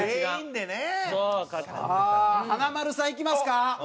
さあ華丸さんいきますか？